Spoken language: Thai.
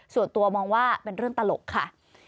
ส่วนตัวมองว่าเป็นเรื่องตลกค่ะ